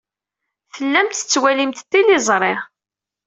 Tellamt tettwalimt tiliẓri.